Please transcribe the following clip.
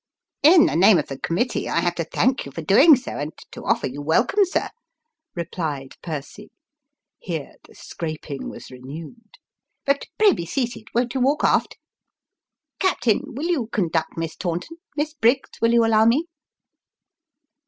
" In the name of the committee I have to thank you for doing so, and to offer you welcome, sir," replied Percy. (Here the scraping was renewed.) " But pray be seated won't you walk aft ? Captain, will you conduct Miss Taunton ? Miss Briggs, will you allow me